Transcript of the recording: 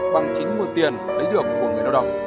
bằng chính mùi tiền lấy được của người đào đồng